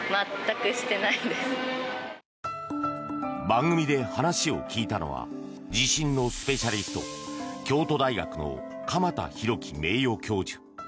番組で話を聞いたのは地震のスペシャリスト京都大学の鎌田浩毅名誉教授。